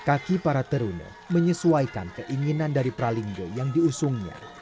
kaki para teruner menyesuaikan keinginan dari pralinga yang diusungnya